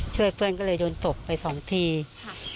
เพื่อนก็เลยโดนตบไปสองทีค่ะ